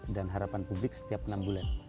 dan harapan publik setiap enam bulan